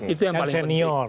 itu yang paling penting